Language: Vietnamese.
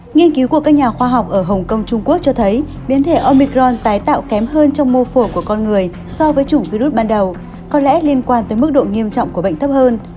nghiên cứu của các nhà khoa học ở hồng kông trung quốc cho thấy biến thể omicron tái tạo kém hơn trong mô phổ của con người so với chủng virus ban đầu có lẽ liên quan tới mức độ nghiêm trọng của bệnh thấp hơn